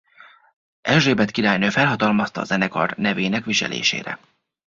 Erzsébet királynő felhatalmazta a zenekart nevének viselésére.